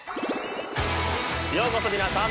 ようこそ皆さん。